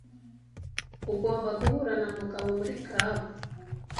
Ugomba guhura na Mugabo muri club.